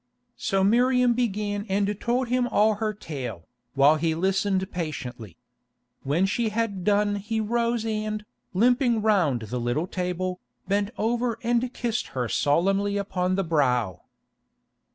So Miriam began and told him all her tale, while he listened patiently. When she had done he rose and, limping round the little table, bent over and kissed her solemnly upon the brow.